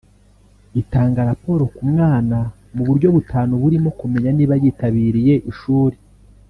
Itanga raporo ku mwana mu buryo butanu burimo kumenya niba yitabiriye ishuri